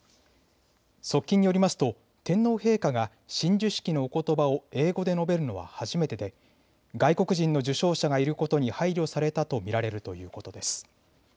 側近によりますと天皇陛下が親授式のおことばを英語で述べるのは初めてで外国人の受章者がいることに配慮されたと見られるということです。